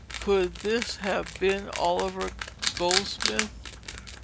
Could this have been Oliver Goldsmith?